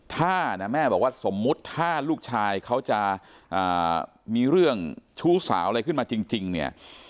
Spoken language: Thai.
ถ้านะแม่บอกว่าสมมุติถ้าลูกชายเขาจะมีเรื่องชู้สาวอะไรขึ้นมาจริงเนี่ย